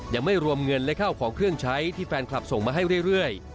ยังไม่รวมเงินและข้าวของเครื่องใช้ที่แฟนคลับส่งมาให้เรื่อย